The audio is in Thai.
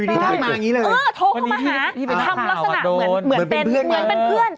โทรเข้ามาหาทำลักษณะเหมือนเป็นเพื่อน